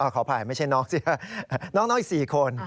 ขออภัยไม่ใช่น้องสิน้องอีก๔คน